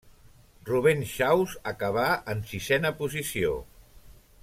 Rubèn Xaus acabà en sisena posició.